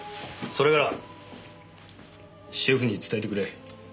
それからシェフに伝えてくれ。